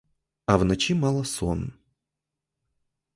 А вночі мала сон.